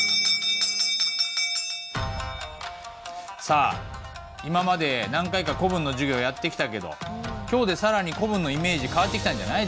さあ今まで何回か古文の授業やってきたけど今日で更に古文のイメージ変わってきたんじゃない？